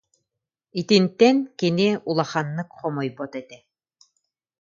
Итинтэн кини улаханнык хомойбот этэ